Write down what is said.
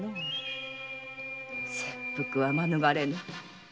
切腹は免れぬ。